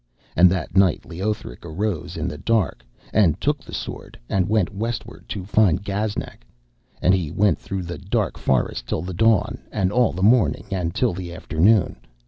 And that night Leothric arose in the dark and took the sword, and went westwards to find Gaznak; and he went through the dark forest till the dawn, and all the morning and till the afternoon.